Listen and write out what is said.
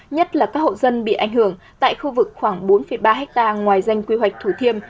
nhất là các hộ dân bị ảnh hưởng tại khu vực khoảng bốn ba ha ngoài danh quy hoạch thủ thiêm